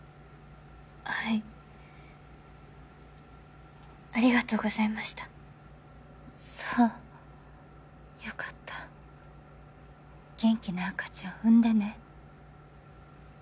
はいありがとうございましたそうよかった元気な赤ちゃん産んでね